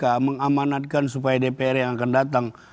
yang diingatkan supaya dpr yang akan datang